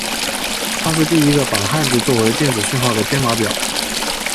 它是第一个把汉字化作电子讯号的编码表。